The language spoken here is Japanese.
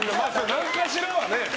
何かしらはね。